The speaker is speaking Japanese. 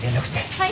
はい！